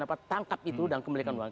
apa tangkap itu dan kembalikan uang